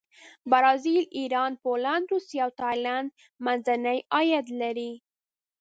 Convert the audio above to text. برازیل، ایران، پولینډ، روسیه او تایلنډ منځني عاید لري.